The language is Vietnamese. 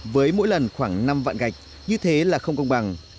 với mỗi lần khoảng năm vạn gạch như thế là không công bằng